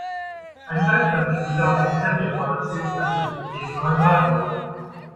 Ein Schallplattenspieler und ein Kassettenrekorder zählten dazu, ebenso ein Radio.